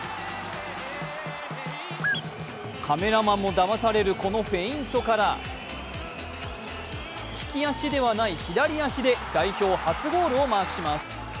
カメラマンもだまされるこのフェイントから利き足ではない左足で代表初ゴールをマークします。